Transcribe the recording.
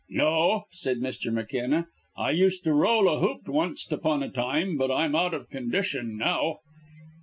"No," said Mr. McKenna. "I used to roll a hoop onct upon a time, but I'm out of condition now."